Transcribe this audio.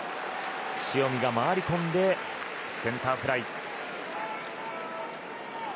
塩見が回り込んでセンターフライ。